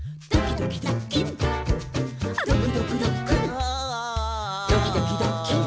「ドキドキドッキン」